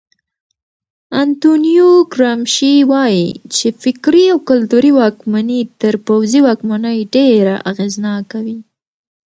انتونیو ګرامشي وایي چې فکري او کلتوري واکمني تر پوځي واکمنۍ ډېره اغېزناکه وي.